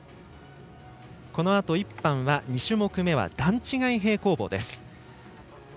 このあと１班は２種目めは段違い平行棒です。